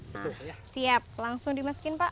siap langsung dimasukin pak